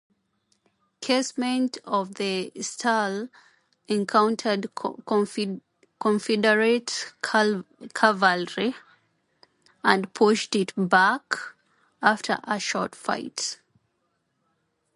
Casement and Sterhl encountered Confederate cavalry and pushed it back after a short fight.